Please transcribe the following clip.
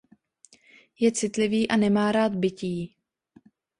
Je citlivý a nemá rád bití.